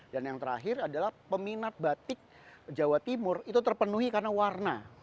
dan yang terakhir adalah peminat batik jawa timur itu terpenuhi karena warna